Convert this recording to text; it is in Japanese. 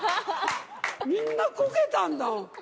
みんなこけたんだもん。